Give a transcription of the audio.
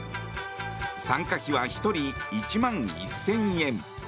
参加費は１人１万１０００円。